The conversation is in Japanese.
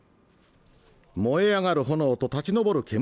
燃え上がる炎と立ち上る煙